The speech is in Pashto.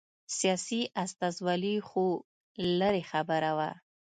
سیاسي استازولي خو لرې خبره وه